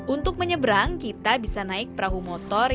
untuk menyeberang kita bisa naik perahu motor